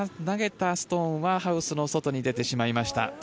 投げたストーンはハウスの外に出てしまいました。